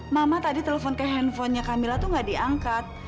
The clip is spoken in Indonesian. mama tadi telepon ke handphonenya camilla tuh gak diangkat